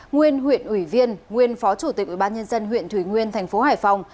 nguyên huyện ủy viên nguyên phó chủ tịch ủy ban nhân dân huyện thủy nguyên thành phố hải phòng